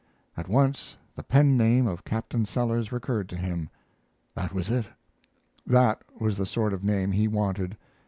At once the pen name of Captain Sellers recurred to him. That was it; that was the sort of name he wanted.